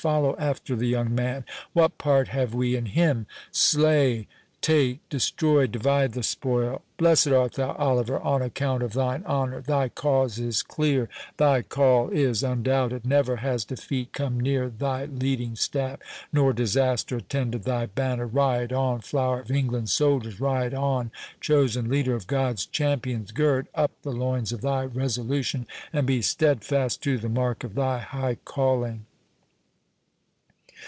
—follow after the young Man!—what part have we in him?—Slay, take, destroy, divide the spoil! Blessed art thou, Oliver, on account of thine honour—thy cause is clear, thy call is undoubted—never has defeat come near thy leading staff, nor disaster attended thy banner. Ride on, flower of England's soldiers! ride on, chosen leader of God's champions! gird up the loins of thy resolution, and be steadfast to the mark of thy high calling."